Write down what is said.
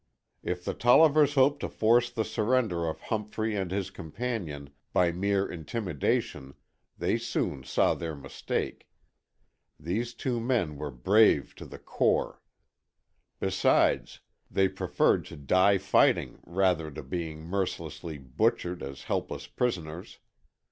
If the Tollivers hoped to force the surrender of Humphrey and his companion by mere intimidation, they soon saw their mistake. These two men were brave to the core. Besides, they preferred to die fighting rather to being mercilessly butchered as helpless prisoners.